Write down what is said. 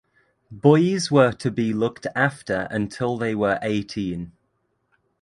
Boys were to be looked after until they were eighteen.